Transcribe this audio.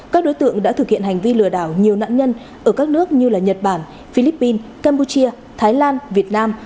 các đối tượng đã thực hiện hành vi lừa đảo nhiều nạn nhân ở các nước như nhật bản philippines campuchia thái lan việt nam